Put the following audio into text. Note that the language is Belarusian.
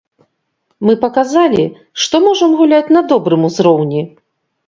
Мы паказалі, што можам гуляць на добрым узроўні.